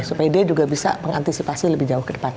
supaya dia juga bisa mengantisipasi lebih jauh ke depan